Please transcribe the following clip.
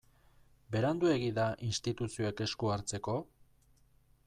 Beranduegi da instituzioek esku hartzeko?